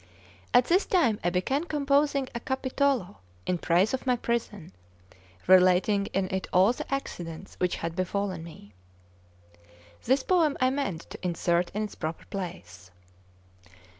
At this time I began composing a Capitolo in praise of my prison, relating in it all the accidents which had befallen me. This poem I mean to insert in its proper place.